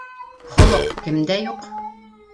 Холоҡ кемдә юҡ?!